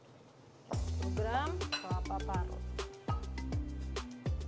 oke dan lima puluh gram kelapa parut